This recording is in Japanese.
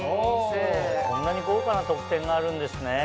こんなに豪華な特典があるんですね。